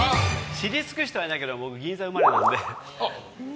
知り尽くしてはないけど僕、銀座生まれなんで。